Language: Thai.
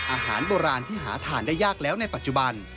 อาหารโบราณที่หาทานได้ยากแล้วในปัจจุบัน